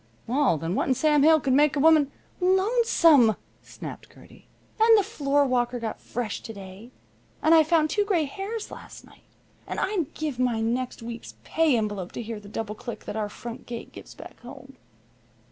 "Well, then, what in Sam Hill could make a woman " "Lonesome!" snapped Gertie. "And the floorwalker got fresh to day. And I found two gray hairs to night. And I'd give my next week's pay envelope to hear the double click that our front gate gives back home."